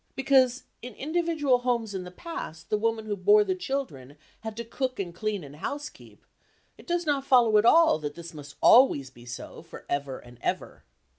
Because, in individual homes in the past the woman who bore the children had to cook and clean and housekeep, it does not follow at all that this must always be so for ever and ever.